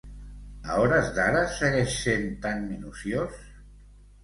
A hores d'ara segueix sent tan minuciós?